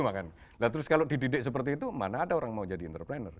dan terus kalau dididik seperti itu mana ada orang mau jadi entrepreneur